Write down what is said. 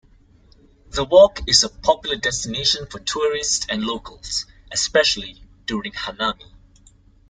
The walk is a popular destination for tourists and locals, especially during hanami.